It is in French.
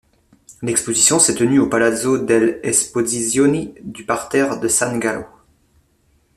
L’exposition s’est tenue au Palazzo delle Esposizioni du Parterre de San Gallo.